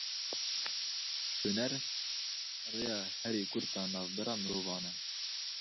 Huner rêya herî kurt a navbera mirovan e.